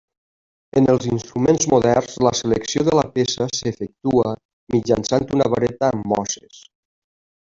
En els instruments moderns la selecció de la peça s'efectua mitjançant una vareta amb mosses.